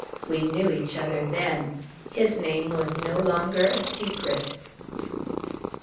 We knew each other then; his name was no longer a secret.